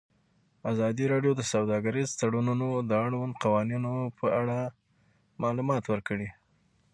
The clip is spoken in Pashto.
ازادي راډیو د سوداګریز تړونونه د اړونده قوانینو په اړه معلومات ورکړي.